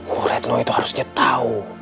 bu retno itu harusnya tahu